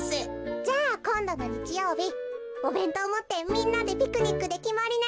じゃあこんどのにちようびおべんとうをもってみんなでピクニックできまりね。